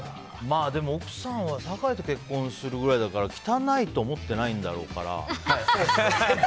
奥さんは坂井と結婚するくらいだから汚いと思ってないんだろうから。